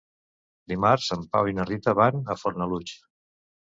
Dimarts en Pau i na Rita van a Fornalutx.